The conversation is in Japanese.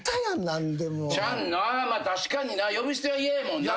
「ちゃん」な確かに呼び捨ては嫌やもんな。